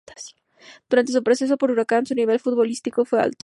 Durante su paso por Huracán, su nivel futbolístico fue alto.